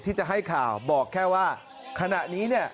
ที่จะให้ข่าวบอกแค่ว่าขณะนี้เนี่ย